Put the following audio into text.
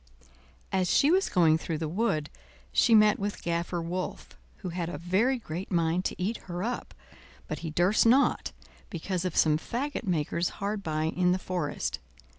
As she was going through the wood she met with Gaffer Wolf, who had a very great mind to eat her up, but he durst not, because of some fagot makers hard by in the forest.